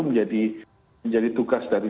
menjadi menjadi tugas dari